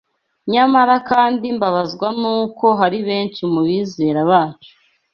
Nyamara kandi mbabazwa n’uko hari benshi mu bizera bacu